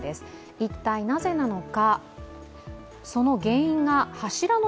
一体なぜなのか。